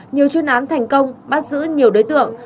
nhiều chuyên án thành công bắt giữ nhiều đối tượng